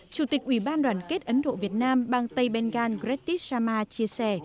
chủ tịch ủy ban đoàn kết ấn độ việt nam bang tây bengal gritesh sharma chia sẻ